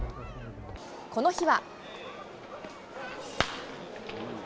この日は。